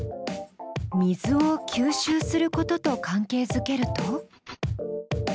水を吸収することと関係づけると？